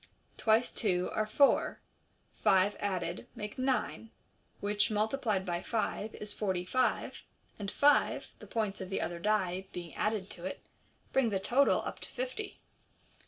Twice two are four, five added make nine, which, multiplied by five, is forty five, and five (the points of the other die) being added to it, bring the total up to fifty.